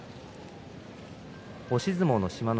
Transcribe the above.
押し相撲の志摩ノ